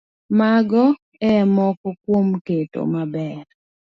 Magi e moko kuom keto maber